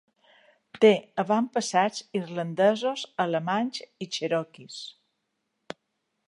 Té avantpassats irlandesos, alemanys i cherokees.